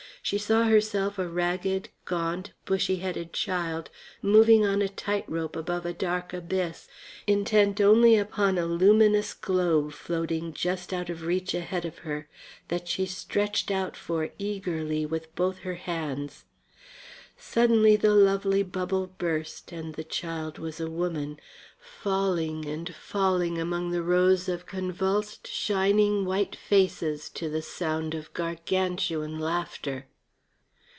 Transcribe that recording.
She saw herself a ragged, gaunt, bushy headed child moving on a tight rope above a dark abyss, intent only upon a luminous globe floating just out of reach ahead of her, that she stretched out for eagerly with both her hands. Suddenly the lovely bubble burst and the child was a woman, falling and falling among rows of convulsed, shining white faces to the sound of gargantuan laughter.